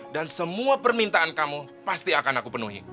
dan semua permintaan kamu pasti akan aku penuhi